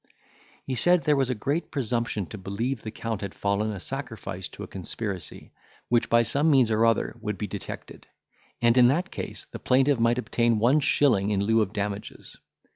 He said there was great presumption to believe the Count had fallen a sacrifice to a conspiracy, which by some means or other would be detected; and, in that case, the plaintiff might obtain one shilling in lieu of damages.